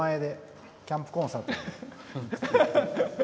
キャンプコンサート。